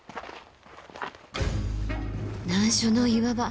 難所の岩場。